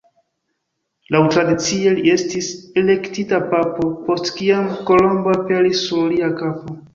Laŭtradicie, li estis elektita papo, post kiam kolombo aperis sur lia kapo.